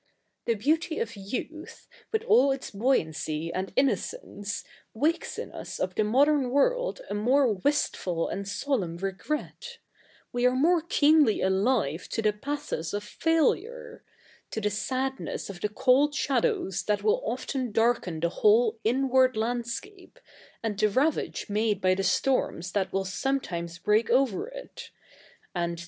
The beauty of youth, with all its buoyancy and innocence, wakes in us of the modern world a more wistful and solemn regret ; we are more keenly alive to the pathos of failure ; to the sadness of the cold shadows that will often darken the whole inward landscape, and the ravage made by the storms that will sometimes break over it ; and to CH.